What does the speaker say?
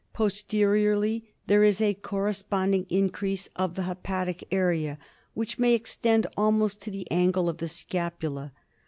Posteriorly there is a corre sponding increase of the hepatic area, which may extend almost to the angle of the scapula.